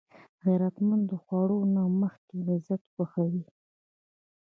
غیرتمند د خوړو نه مخکې عزت خوښوي